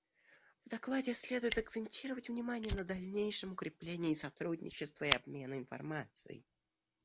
В докладе следует акцентировать внимание на дальнейшем укреплении сотрудничества и обмена информацией.